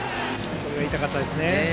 これは痛かったですね。